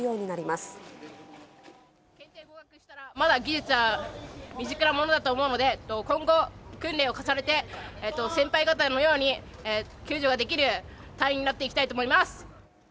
まだ技術は未熟なものだと思うので、今後、訓練を重ねて、先輩方のように、救助ができる隊員になっていきたいと思います。